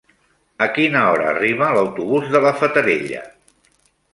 A quina hora arriba l'autobús de la Fatarella?